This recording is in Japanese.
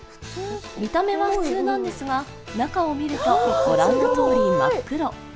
見た目は普通なんですが中を見るとご覧のとおり真っ黒。